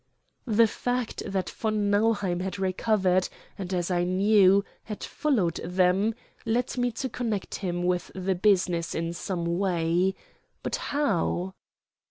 The fact that von Nauheim had recovered, and, as I knew, had followed them, led me to connect him with the business in some way, but how?